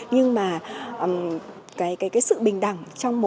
nhưng mà cái sự bình đẳng trong mỗi